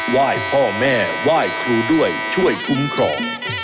ว่ายพ่อแม่ว่ายครูด้วยช่วยภูมิครอง